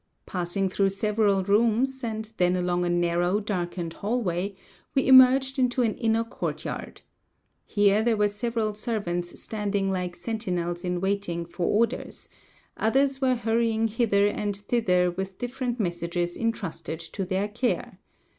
Passing through several rooms, and then along a narrow, darkened hallway, we emerged into an inner courtyard. Here there were several servants standing like sentinels in waiting for orders; others were hurrying hither and thither with different messages intrusted to their care.